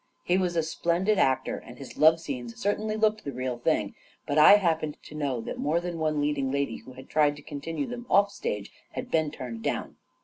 He was a splendid actor, and his love scenes certainly looked the real thing; but I hap pened to know that more than one leading lady who had tried to continue them off stage had been turned down.